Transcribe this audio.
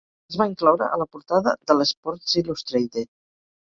es va incloure a la portada de l'"Sports Illustrated".